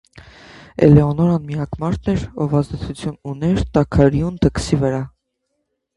Էլեոնորան միակ մարդն էր, ով ազդեցություն ուներ տաքարյուն դքսի վրա։